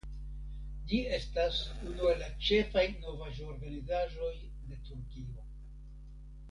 Ĝi estas unu el la ĉefaj novaĵorganizoj de Turkio.